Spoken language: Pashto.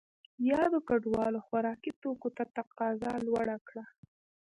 یادو کډوالو خوراکي توکو ته تقاضا لوړه کړه.